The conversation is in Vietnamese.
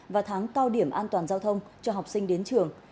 và tháng cao điểm an toàn giao thông cho học sinh đến trường